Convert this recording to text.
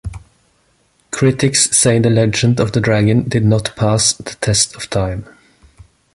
Critics say the legend of the Dragon did not pass the test of time.